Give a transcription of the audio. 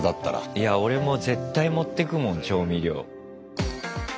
いや俺も絶対持ってくもん調味料。